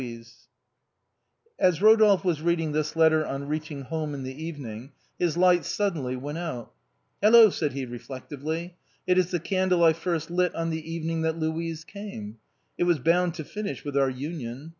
54 THE BOHEMIANS OF THE LATIN QUARTER. As Rodolphe was reading this letter on reaching home in the evening, his light suddenly went out. " Hello !" said he reflectively, " it is the candle I first lit on the evening that Louise came — it was bound to finish with our union.